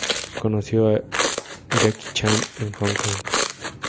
Conoció a Jackie Chan en Hong Kong.